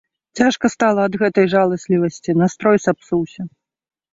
Цяжка стала ад гэтай жаласлівасці, настрой сапсуўся.